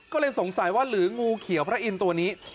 ก็เลยสงสัยว่าหรืองูเขียวพระอินทร์ตัวนี้